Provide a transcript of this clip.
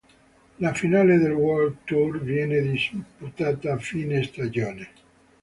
La Finale del World-Tour viene disputata a fine stagione.